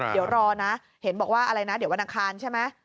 เดี๋ยวรอนะเห็นบอกว่าอะไรนะเดี๋ยววันอังคารใช่ไหม